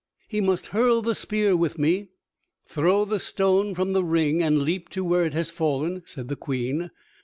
"He must hurl the spear with me, throw the stone from the ring, and leap to where it has fallen," said the Queen.